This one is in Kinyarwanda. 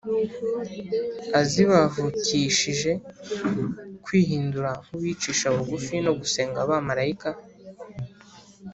azibavukishije kwihindura nk’uwicisha bugufi no gusenga abamarayika